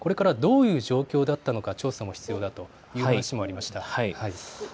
これからどういう状況だったのか調査も必要という話がありました。